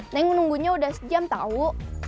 neng nunggunya udah sejam tahu